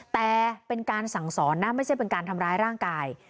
แต่เป็นการสั่งสอนนะไม่ใช่เป็นการทำร้ายร่างกาย